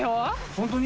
ホントに？